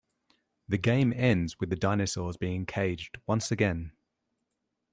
The game ends with the dinosaurs being caged once again.